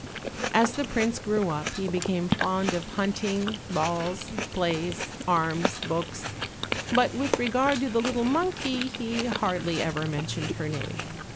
As the prince grew up he became fond of hunting, balls, plays, arms, books; but with regard to the little monkey, he hardly ever mentioned her name.